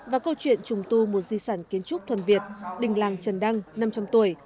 và câu chuyện trùng tu một di sản kiến trúc thuần việt đình làng trần đăng năm trăm linh tuổi